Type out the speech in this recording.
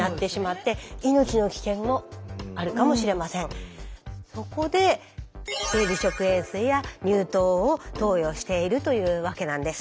このもともとのそこで生理食塩水や乳糖を投与しているというわけなんです。